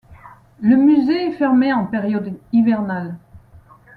Le musée est fermé en période hivernale.